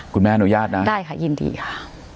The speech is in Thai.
คุณแม่อนุญาตนะได้ค่ะยินดีค่ะ